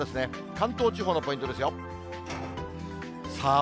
関東地方のポイントですよ。